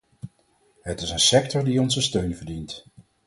Het is een sector die onze steun verdient.